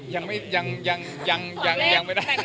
ยังไม่ได้